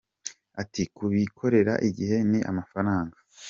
Ati” Ku bikorera igihe ni amafaranga.